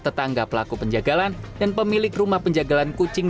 tetangga pelaku penjagalan dan pemilik rumah penjagalan kucing